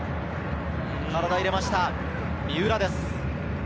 体を入れました、三浦です。